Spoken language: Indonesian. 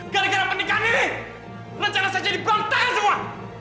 gara gara pernikahan ini rencana saya jadi brontal semua